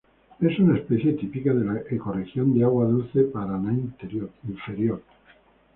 Es una especie típica de la ecorregión de agua dulce Paraná inferior.